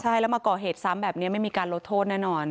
ใช่แล้วมาก่อเหตุซ้ำแบบนี้ไม่มีการลดโทษแน่นอน